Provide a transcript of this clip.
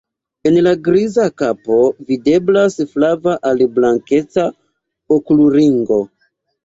En la griza kapo videblas flava al blankeca okulringo.